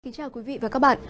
xin chào quý vị và các bạn